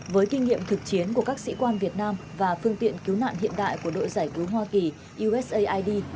với kinh nghiệm thực chiến của các sĩ quan việt nam và phương tiện cứu nạn hiện đại của đội giải cứu hoa kỳ usaid